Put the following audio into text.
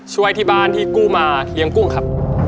ช่วยที่บ้านที่กู้มาเลี้ยงกุ้งครับ